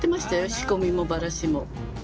仕込みもバラしも。